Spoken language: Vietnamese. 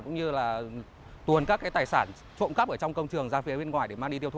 cũng như là tuồn các cái tài sản trộm cắp ở trong công trường ra phía bên ngoài để mang đi tiêu thụ